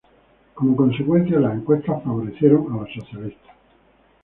Como consecuencia, las encuestas favorecieron a los socialistas.